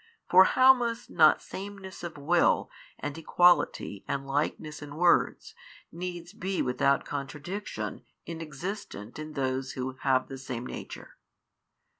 For how must not sameness of Will and Equality and Likeness in Words needs be without contradiction inexistent in Those Who have the Same Nature?